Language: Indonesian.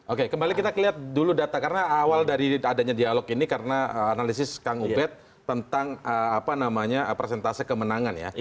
oke kembali kita lihat dulu data karena awal dari adanya dialog ini karena analisis kang ubed tentang apa namanya persentase kemenangan ya